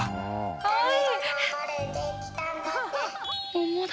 かわいい！